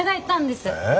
え？